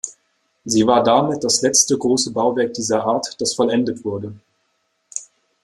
Sie war damit das letzte große Bauwerk dieser Art, das vollendet wurde.